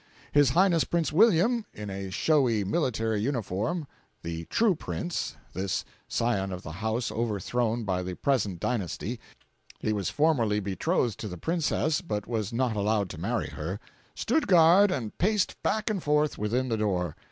His Highness Prince William, in a showy military uniform (the "true prince," this—scion of the house over thrown by the present dynasty—he was formerly betrothed to the Princess but was not allowed to marry her), stood guard and paced back and forth within the door.